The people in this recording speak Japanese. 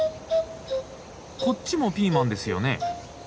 こっちもピーマンですよね？